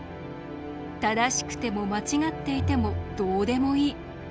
正しくても間違っていてもどうでもいい。